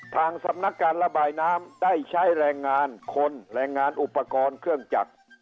ทางสำนักการระบายน้ำได้ใช้แรงงานคนแรงงานอุปกรณ์เครื่องจักร